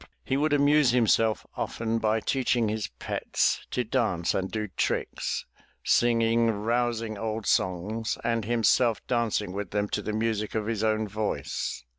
He would amuse himself often by teaching his pets 348 THE TREASURE CHEST to dance and do tricks, singing rousing old songs, and himself dancing with them to the music of his own voice.